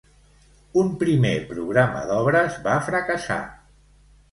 Un primer programa d'obres va fracassar.